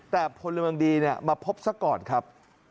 แต่ผลวิวังดีมาพบสักก่อนครับ